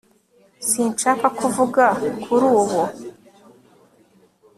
sinshaka kuvuga kuri ubu